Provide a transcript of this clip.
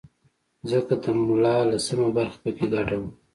ځکه د ملا لسمه برخه په کې ګډه وه.